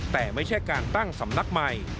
แต่ไม่ใช่การตั้งสำนักใหม่